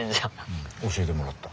うん教えてもらった。